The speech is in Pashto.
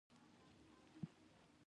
ښځه د خپلې کورنۍ ویاړ ده.